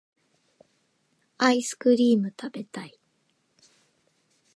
アイスクリームたべたい